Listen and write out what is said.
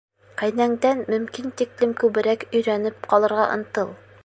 Ҡәйнәңдән мөмкин тиклем күберәк өйрәнеп ҡалырға ынтыл.